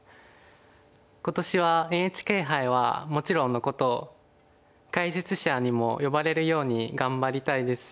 今年はＮＨＫ杯はもちろんのこと解説者にも呼ばれるように頑張りたいです。